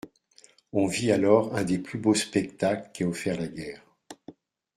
On vit alors un des plus beaux spectacles qu'aient offerts la guerre.